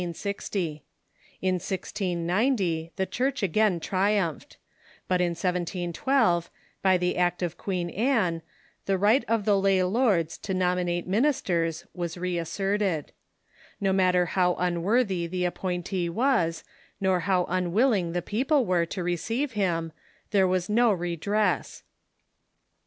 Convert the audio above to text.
In KjOO the (Jhurch again triumphed ; but in 1712, by the act of (^ueen Anne, the right of the lay lords to nominate ministers was reasserted. No matter how unworthy the api)ointee was, nor how unwilling the people were to receive liim, there Avas no redress.